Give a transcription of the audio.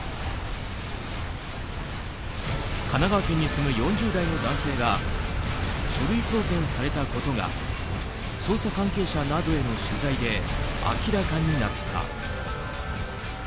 神奈川県に住む４０代の男性が書類送検されたことが捜査関係者などへの取材で明らかになった。